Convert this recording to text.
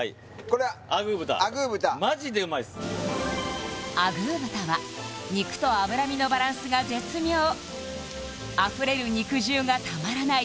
あぐー豚マジでうまいっすあぐー豚は肉と脂身のバランスが絶妙あふれる肉汁がたまらない